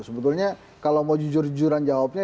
sebetulnya kalau mau jujur jujuran jawabnya